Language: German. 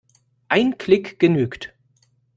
Ein Klick genügt.